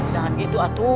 jangan gitu atu